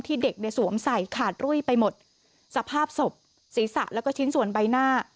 เด็กเนี่ยสวมใส่ขาดรุ่ยไปหมดสภาพศพศีรษะแล้วก็ชิ้นส่วนใบหน้า